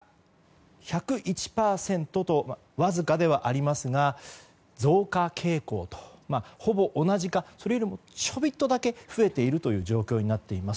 比べた場合、対前週比オレンジのところが１０１％とわずかではありますが増加傾向ほぼ同じかそれよりも、ちょびっとだけ増えている状況になっています。